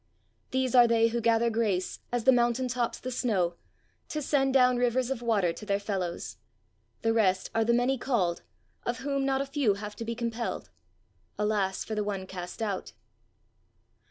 These are they who gather grace, as the mountain tops the snow, to send down rivers of water to their fellows. The rest are the many called, of whom not a few have to be compelled. Alas for the one cast out!